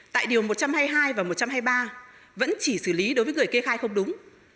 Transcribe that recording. tại điều một trăm hai mươi hai và một trăm hai mươi ba vẫn chỉ xử lý đối với người kê khai không đúng